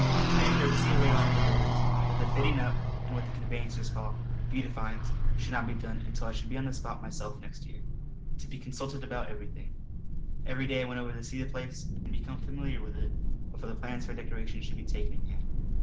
I had purposely arranged with the builders that the fitting up and what the conveyancers call "beautifyings" should not be done until I should be on the spot myself next year, to be consulted about everything. Every day I went over to see the place and become familiar with it before the plans for decoration should be taken in hand.